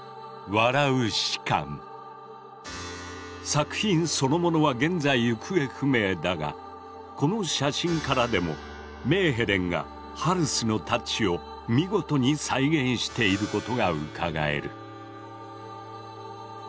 作品そのものは現在行方不明だがこの写真からでもメーヘレンがハルスのタッチを見事に再現していることがうかがえる。